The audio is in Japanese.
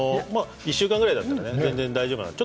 １週間ぐらいだったら大丈夫です。